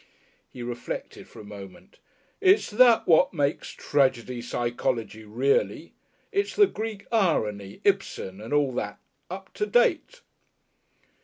He reflected for a moment. "It's that what makes tragedy Psychology really. It's the Greek irony Ibsen and all that. Up to date."